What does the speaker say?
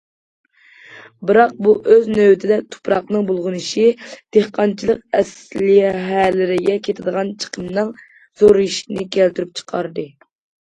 بىراق بۇ ئۆز نۆۋىتىدە تۇپراقنىڭ بۇلغىنىشى، دېھقانچىلىق ئەسلىھەلىرىگە كېتىدىغان چىقىمنىڭ زورىيىشىنى كەلتۈرۈپ چىقاردى.